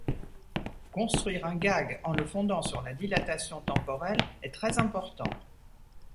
Construire un gag en le fondant sur la dilatation temporelle est très important.